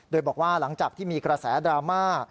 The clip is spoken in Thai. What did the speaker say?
โดยบอกว่าหลังจากที่มีกระแสดราม่า